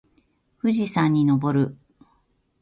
富士山に登る